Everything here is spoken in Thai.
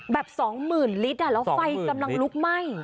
แบบสองหมื่นลิตรอ่ะแล้วไฟกำลังลุกไหม้